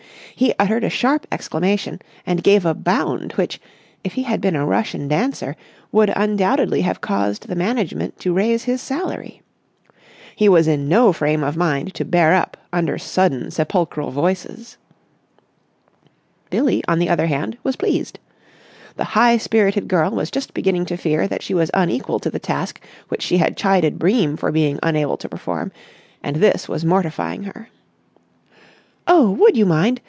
He uttered a sharp exclamation and gave a bound which, if he had been a Russian dancer would undoubtedly have caused the management to raise his salary. He was in no frame of mind to bear up under sudden sepulchral voices. Billie, on the other hand, was pleased. The high spirited girl was just beginning to fear that she was unequal to the task which she had chided Bream for being unable to perform and this was mortifying her. "Oh, would you mind?